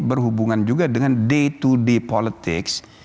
berhubungan juga dengan day to day politics